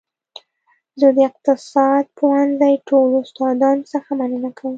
زه د اقتصاد پوهنځي ټولو استادانو څخه مننه کوم